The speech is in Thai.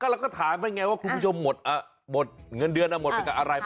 แล้วก็ถามให้ไงว่าคุณผู้ชมมดเงินเดือนณหมดเงินอะไรค่ะ